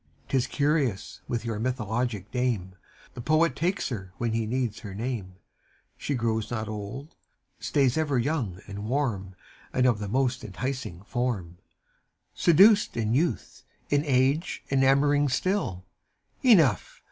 'T is curious with your mythologic dame: The Poet takes her when he needs her name ; She grows not old, stays ever young and warm, And of the most enticing form; Seduced in youth, in age enamoring still, — Enough!